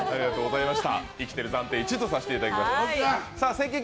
「生きてる」は暫定１位とさせていただきます。